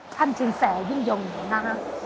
ท่านชิงแสยิ่งยงนะฮะ